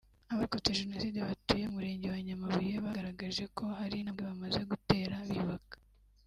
Abarokotse Jenoside batuye mu Murenge wa Nyamabuye bagaragaje ko hari intambwe bamaze gutera biyubaka